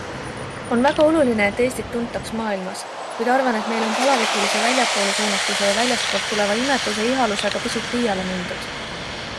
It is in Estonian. On väga oluline, et Eestit tuntaks maailmas, kuid arvan, et meil on palavikulise väljapoole suunatuse ja väljastpoolt tuleva imetluse ihalusega pisut liiale mindud.